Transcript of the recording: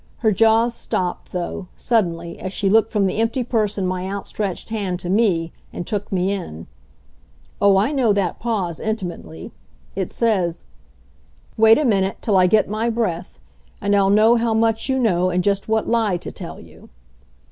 Her jaws stopped, though, suddenly, as she looked from the empty purse in my outstretched hand to me, and took me in. Oh, I know that pause intimately. It says: "Wait a minute, till I get my breath, and I'll know how much you know and just what lie to tell you."